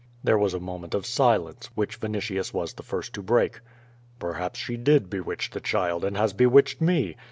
There was a moment of silence, which Vinitius was the first to break. Terhaps she did bewitch the child and has bewitched me."